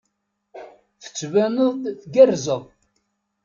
Tettbaneḍ-d tgerrzeḍ.